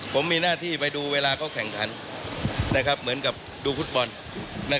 กรณีนี้ทางด้านของประธานกรกฎาได้ออกมาพูดแล้ว